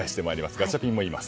ガチャピンもいます。